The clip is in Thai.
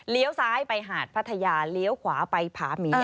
เลี้ยวซ้ายไปหาดพัทยาเลี้ยวขวาไปผ้ามี